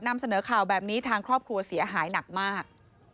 นำเสนอข่าวแบบนี้ทางครอบครัวเสียหายหนักมาก